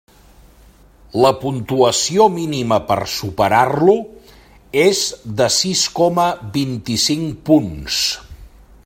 La puntuació mínima per superar-lo és de sis coma vint-i-cinc punts.